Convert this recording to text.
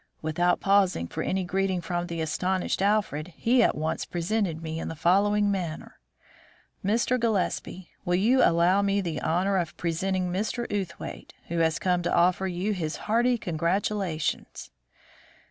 Without pausing for any greeting from the astonished Alfred, he at once presented me in the following manner: "Mr. Gillespie, will you allow me the honour of presenting Mr. Outhwaite, who has come to offer you his hearty congratulations?"